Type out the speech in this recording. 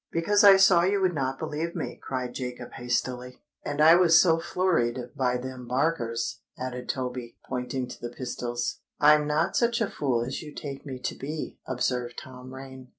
"Because I saw you would not believe me," cried Jacob hastily. "And I was so flurried by them barkers," added Toby, pointing to the pistols. "I'm not such a fool as you take me to be," observed Tom Rain.